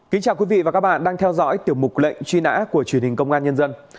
kính chào quý vị và các bạn đang theo dõi tiểu mục lệnh truy nã của truyền hình công an nhân dân